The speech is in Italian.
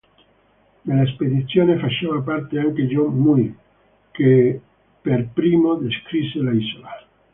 Della spedizione faceva parte anche John Muir, che per primo descrisse l'isola.